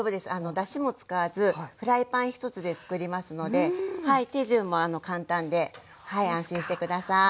だしも使わずフライパン１つでつくりますので手順も簡単で安心して下さい。